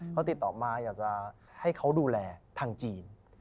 เขาติดต่อมาอยากจะให้เขาดูแลทางจีน